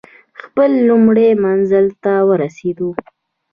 خپل لومړي منزل ته ورسېدو.